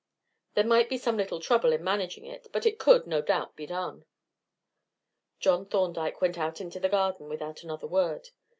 There might be some little trouble in managing it, but it could, no doubt, be done." John Thorndyke went out into the garden without another word.